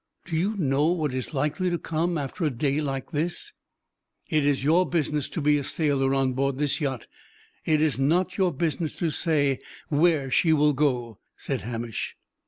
Do you know what is likely to come after a day like this?" "It is your business to be a sailor on board this yacht; it is not your business to say where she will go," said Hamish.